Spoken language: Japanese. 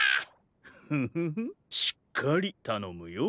フフフしっかりたのむよ。